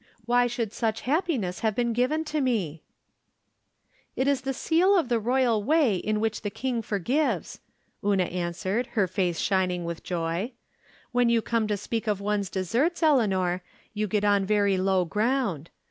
Why should such happiness have been eiven to me? " 3.72 From Different Standpoints. " It is the seal of the royal way in which the King forgives," Una answered, her face shining with joy. " When you come to speak of one's deserts, Eleanor, you get on very low ground.